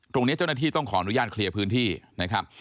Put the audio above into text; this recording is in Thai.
ตรงนี้เจ้าหน้าที่ต้องขออนุญาตเคลียร์พื้นที่นะครับ